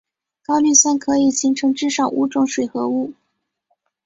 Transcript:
高氯酸可以形成至少五种水合物。